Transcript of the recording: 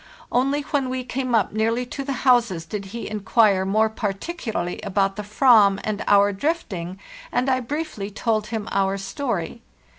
Only when we came up nearly to the houses did he inquire more particularly about the Ayam and our drifting, and I briefly told him our story.